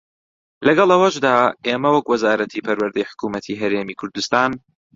لەگەڵ ئەوەشدا ئێمە وەک وەزارەتی پەروەردەی حکوومەتی هەرێمی کوردستان